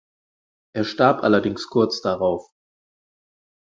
Er starb allerdings kurz darauf.